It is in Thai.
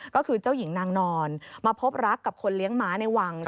ก็คือเจ้าหญิงนางนอนมาพบรักกับคนเลี้ยงม้าในวัง